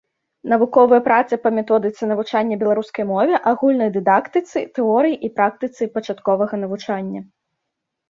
Навуковыя працы па методыцы навучання беларускай мове, агульнай дыдактыцы, тэорыі і практыцы пачатковага навучання.